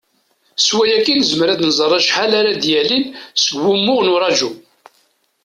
S wakka i nezmer ad nẓer acḥal ara d-yalin seg wumuɣ n uraju.